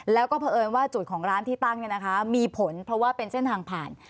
แล้วก็เผอิญว่าจุดของร้านที่ตั้งมีผลเพราะว่าเป็นเส้นทางผ่าน